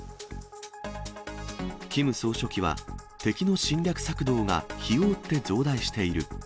キム総書記は、敵の侵略策動が日を追って増大している。